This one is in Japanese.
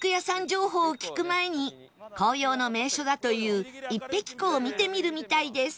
情報を聞く前に紅葉の名所だという一碧湖を見てみるみたいです